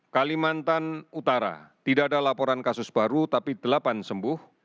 kalimantan utara tidak ada laporan kasus baru tapi delapan sembuh